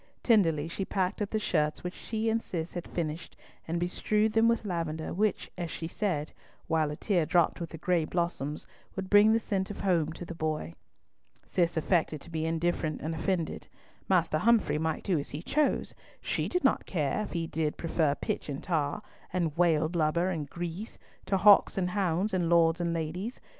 Tenderly she packed up the shirts which she and Cis had finished, and bestrewed them with lavender, which, as she said, while a tear dropped with the gray blossoms, would bring the scent of home to the boy. Cis affected to be indifferent and offended. Master Humfrey might do as he chose. She did not care if he did prefer pitch and tar, and whale blubber and grease, to hawks and hounds, and lords and ladies.